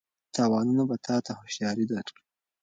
تاوانونه به تا ته هوښیاري درکړي.